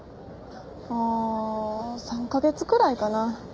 ああ３カ月くらいかな。